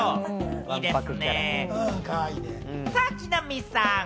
さあ、木南さん。